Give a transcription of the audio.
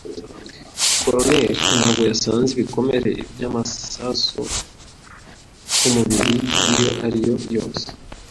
Coroner ntabwo yasanze ibikomere by'amasasu ku mibiri iyo ari yo yose.